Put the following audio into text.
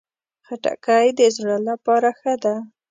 خټکی د زړه لپاره ښه ده.